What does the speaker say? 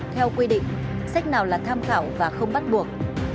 theo quy định sách nào là tham khảo và không bắt buộc